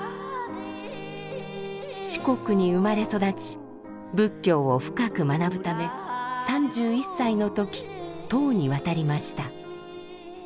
四国に生まれ育ち仏教を深く学ぶため３１歳の時唐に渡りました。